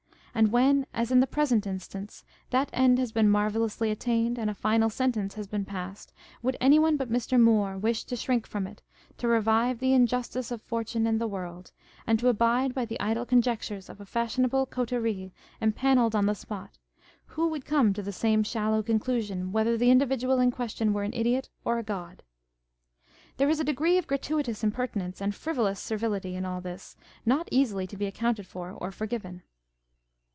517 and when, as in the present instance, that end has been marvellously attained and a final sentence has been passed, would any one but Mr. Moore wish to shrink from it, to revive the injustice of fortune and the world, and to abide by the idle conjectures of a fashionable coterie empannelled on the spot, who would come to the same shallow con clusion whether the individual in question were an idiot or a god ? There is a degree of gratuitous impertinence and frivolous servility in all this not easily to be accounted for or forgiven.